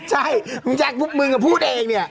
ใช่มึงแจ๊คมึงก็พูดเองเนี่ย